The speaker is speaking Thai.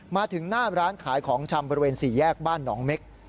มาถึงหน้าร้านขายของชำบริเวณ๔แยกบ้านหนองเม็ก